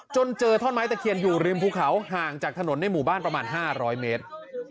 เจอท่อนไม้ตะเคียนอยู่ริมภูเขาห่างจากถนนในหมู่บ้านประมาณ๕๐๐เมตร